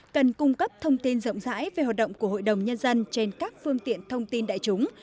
cần cung cấp thông tin rộng rãi về hoạt động của hội đồng nhân dân trên các phương tiện thông tin đại chúng